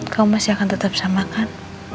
kamu masih akan tetap sama kan